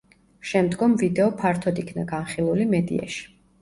შემდგომ ვიდეო ფართოდ იქნა განხილული მედიაში.